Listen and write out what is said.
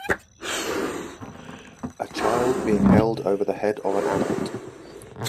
A child being held over the head of an adult.